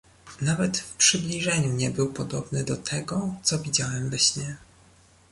"Nawet w przybliżeniu nie był podobny do tego, co widziałem we śnie."